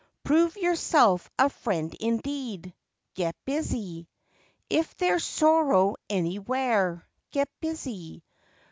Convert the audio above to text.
Prove yourself a "friend indeed,'* Get busy. If there's sorrow anywhere, Get busy.